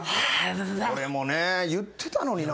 これもね言ってたのにな。